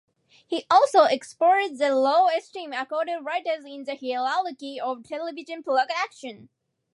He also explored the low esteem accorded writers in the hierarchy of television production.